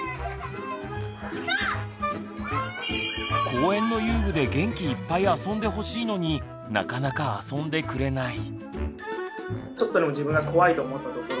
公園の遊具で元気いっぱい遊んでほしいのになかなか遊んでくれない。